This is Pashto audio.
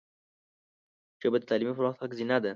ژبه د تعلیمي پرمختګ زینه ده